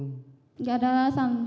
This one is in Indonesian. tidak ada alasan